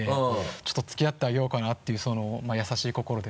ちょっと付き合ってあげようかなていう優しい心で。